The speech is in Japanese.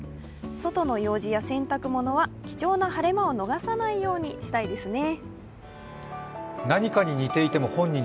外の用事や洗濯物は貴重な晴れを逃さないようにしたいですね。